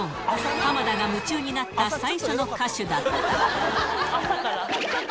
浜田が夢中になった、最初の歌手だった。